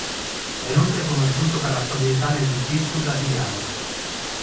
È inoltre conosciuto per la sua abilità nel jiu jitsu brasiliano.